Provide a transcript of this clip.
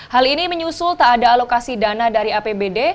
hal ini menyusul tak ada alokasi dana dari apbd